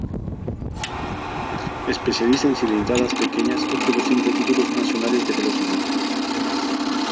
Especialista en cilindradas pequeñas, obtuvo cinco títulos nacionales de velocidad.